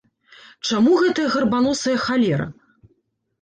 Чаму гэтая гарбаносая халера?